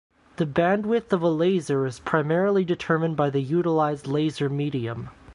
The bandwidth of a laser is primarily determined by the utilized laser medium.